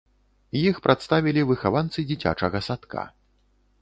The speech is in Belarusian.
Іх прадставілі выхаванцы дзіцячага садка.